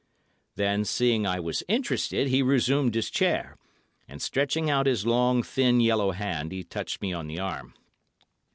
Then, seeing I was interested, he resumed his chair, and stretching out his long, thin, yellow hand, he touched me on the arm.